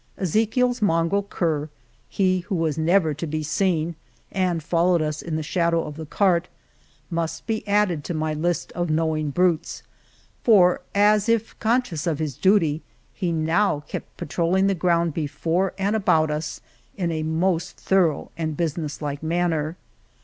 Ezechiel's mongrel cur, he who was never to be seen and followed us in the shadow of the cart, must be added to my list of knowing brutes, for, as if con scious of his duty, he now kept patrolling the ground before and about us in a most thorough and business like manner.